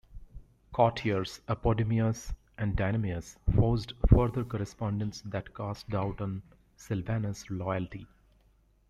Courtiers Apodemius and Dynamius forged further correspondence that cast doubt on Silvanus' loyalty.